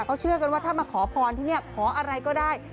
เขาเชื่อกันว่าถ้ามาขอพรที่นี่ขออะไรก็ได้